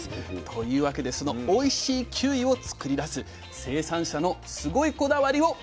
というわけでそのおいしいキウイを作り出す生産者のすごいこだわりを見てみましょう。